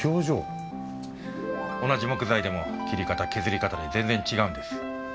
同じ木材でも切り方削り方で全然違うんです。